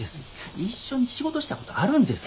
一緒に仕事したことあるんです。